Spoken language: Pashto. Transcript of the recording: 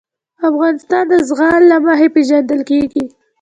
افغانستان د زغال له مخې پېژندل کېږي.